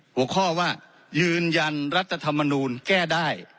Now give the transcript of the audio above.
หัวข้อว่ายืนยันรัฐธรรมนูลแก้ได้